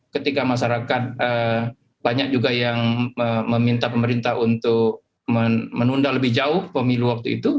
ketika masyarakat banyak juga yang meminta pemerintah untuk menunda lebih jauh pemilu waktu itu